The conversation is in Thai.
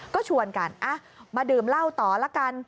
ก็ชวนกันมาดื่มเหล้าต่อละกัน